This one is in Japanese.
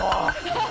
ハハハ。